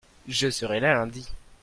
je serai là lundi.